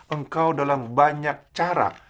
engkau dalam banyak cara